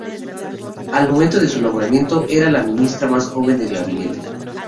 Al momento de su nombramiento, era la ministra más joven del gabinete.